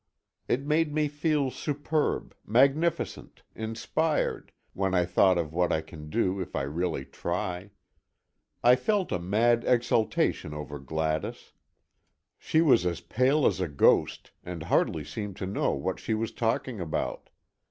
It made me feel superb, magnificent, inspired, when I thought of what I can do if I really try. I felt a mad exultation over Gladys. She was as pale as a ghost, and hardly seemed to know what she was talking about.